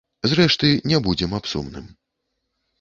Зрэшты, не будзем аб сумным.